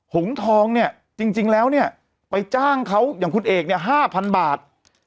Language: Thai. หงทองเนี่ยจริงแล้วเนี่ยไปจ้างเขาอย่างคุณเอกเนี่ย๕๐๐บาท